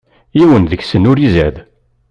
Yiwen deg-sen ur izad.